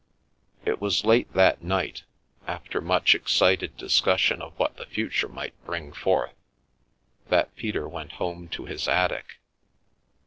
It was late that night, after much excited discussion of what the future might bring forth, that Peter went home to his attic.